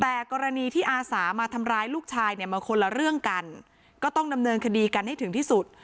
แต่กรณีที่อาสามาทำร้ายลูกชายเนี่ยมันคนละเรื่องกันก็ต้องดำเนินคดีกันให้ถึงที่สุด